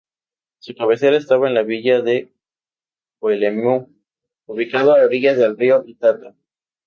Su cabecera estaba en la Villa de Coelemu, ubicado a orillas del río Itata.